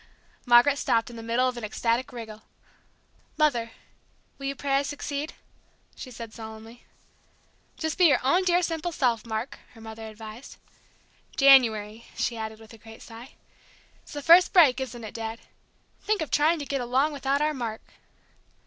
Margaret stopped in the middle of an ecstatic wriggle. "Mother, will you pray I succeed?" she said solemnly. "Just be your own dear simple self, Mark," her mother advised. "January!" she added, with a great sigh. "It's the first break, isn't it, Dad? Think of trying to get along without our Mark!"